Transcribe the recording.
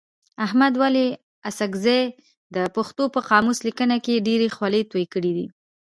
احمد ولي اڅکزي د پښتو په قاموس لیکنه کي ډېري خولې توی کړي دي.